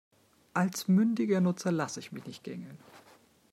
Als mündiger Nutzer lasse ich mich nicht gängeln.